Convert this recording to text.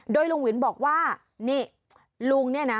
โดยลุงวินบอกว่านี่ลุงเนี่ยนะ